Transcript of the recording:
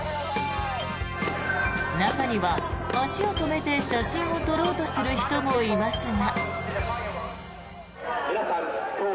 中には足を止めて写真を撮ろうとする人もいますが。